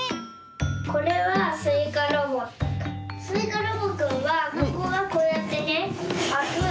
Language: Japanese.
これはスイカロボくんはここがこうやってねあく。